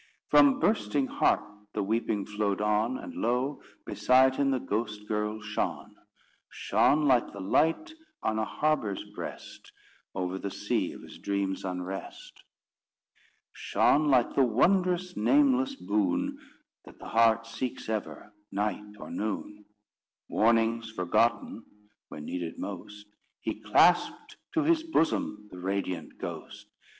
From bursting heart the weeping flowed on; And lo! beside him the ghost girl shone; Shone like the light on a harbour's breast, Over the sea of his dream's unrest; Shone like the wondrous, nameless boon, That the heart seeks ever, night or noon: Warnings forgotten, when needed most, He clasped to his bosom the radiant ghost.